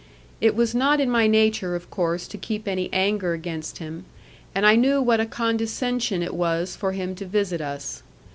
It was not in my nature, of course, to keep any anger against him; and I knew what a condescension it was for him to visit us.